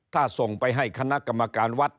ถ้าส่งไปให้คณะกรรมการวัด